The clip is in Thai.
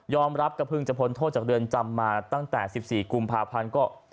ยอมรับกระพึงจพนโทษจากเรือนจำมาตั้งแต่๑๔กุมภาพรรณ